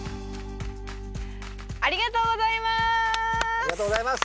ありがとうございます！